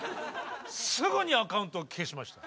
すぐにアカウントを消しました。